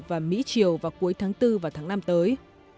và mỹ triều vào cuối tháng bốn và tháng năm tới